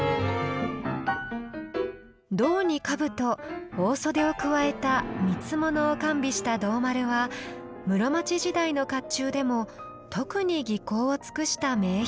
胴に兜大袖を加えた三物を完備した胴丸は室町時代の甲冑でも特に技巧を尽くした名品。